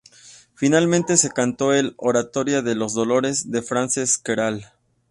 Finalmente se cantó el "Oratorio de los dolores" de Francesc Queralt.